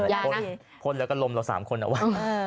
ยานะพ้นแล้วก็ลมเรา๓คนอะว่ะ